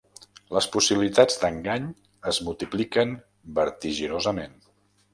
Les possibilitats d'engany es multipliquen vertiginosament.